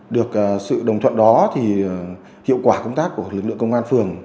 được sự đồng thuận đó thì hiệu quả công tác của lực lượng công an phường